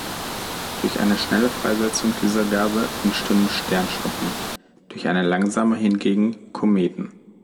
Durch eine schnelle Freisetzung dieser Gase entstünden "Sternschnuppen", durch eine langsame hingegen "Kometen".